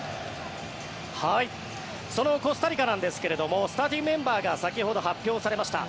そのコスタリカなんですがスターティングメンバーが先ほど発表されました。